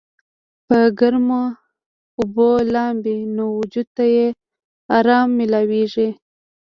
پۀ ګرمو اوبو لامبي نو وجود ته ئې ارام مېلاويږي